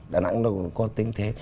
đà nẵng đâu có tính thế